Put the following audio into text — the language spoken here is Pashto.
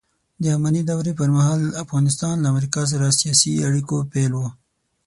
د اماني دورې پرمهال افغانستان له امریکا سره سیاسي اړیکو پیل و